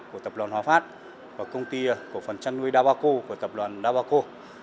của tập đoàn hòa phát và công ty của phần chăn nuôi đa bà cô của tập đoàn đa bà cô